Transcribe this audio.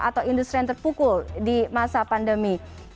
atau industri yang terpukul di masa pandemi